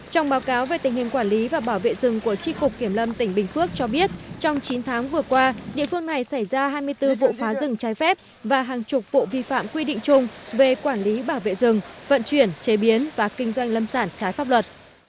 trong báo cáo về tình hình quản lý và bảo vệ rừng của tri cục kiểm lâm tỉnh bình phước cho biết trong chín tháng vừa qua địa phương này xảy ra hai mươi bốn vụ phá rừng trái phép và hàng chục vụ vi phạm quy định chung về quản lý bảo vệ rừng vận chuyển chế biến và kinh doanh lâm sản trái pháp luật